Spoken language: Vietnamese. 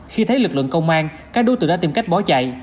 khi thấy lực lượng công an các đối tượng đã tìm cách bỏ chạy